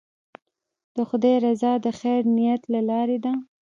د خدای رضا د خیر نیت له لارې ده.